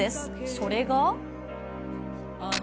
それが。